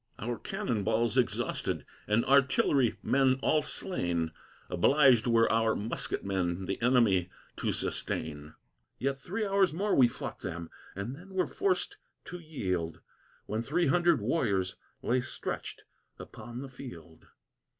Our cannon balls exhausted, and artill'ry men all slain, Obliged were our musketmen the enemy to sustain. Yet three hours more we fought them, and then were forc'd to yield, When three hundred warriors lay stretched upon the field.